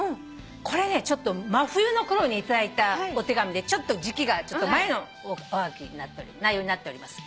これねちょっと真冬のころに頂いたお手紙でちょっと時季が前の内容になっております。